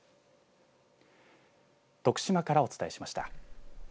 徳島からお伝えしました。